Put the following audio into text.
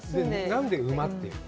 何で馬っていうの？